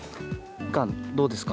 みかん、どうですか。